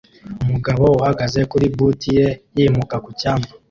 Umugabo uhagaze kuri bout ye yimuka ku cyambu